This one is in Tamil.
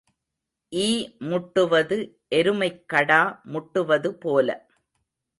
ஈ முட்டுவது எருமைக்கடா முட்டுவது போல.